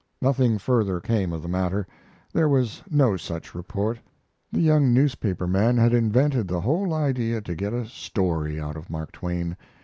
Nothing further came of the matter. There was no such report. The young newspaper man had invented the whole idea to get a "story" out of Mark Twain.